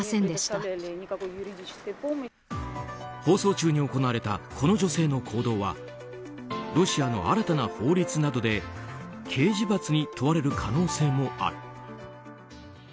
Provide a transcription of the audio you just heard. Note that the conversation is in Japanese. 放送中に行われたこの女性の行動はロシアの新たな法律などで刑事罰に問われる可能性もある。